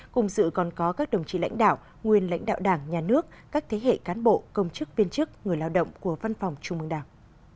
cùng dự còn có các đồng chí lãnh đạo nguyên lãnh đạo đảng nhà nước các thế hệ cán bộ công chức viên chức người lao động của văn phòng trung mương đảng